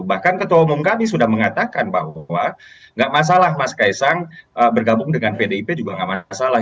bahkan ketua umum kami sudah mengatakan bahwa nggak masalah mas kaisang bergabung dengan pdip juga nggak masalah